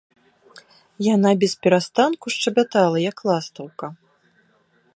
Яна бесперастанку шчабятала, як ластаўка.